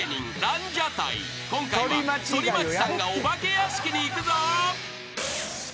［今回は反町さんがお化け屋敷に行くぞ］